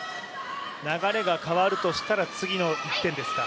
流れが変わるとしたら、次の点ですか。